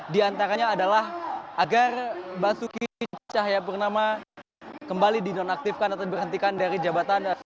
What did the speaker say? di antaranya adalah agar basuki cahayapurnama kembali dinonaktifkan atau diberhentikan dari jabatan